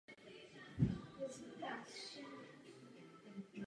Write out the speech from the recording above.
Na Slovensku je chráněn zákonem.